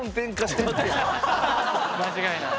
間違いない。